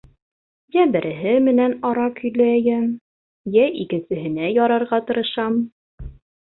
Йә береһе менән ара көйләйем, йә икенсеһенә ярарға тырышам.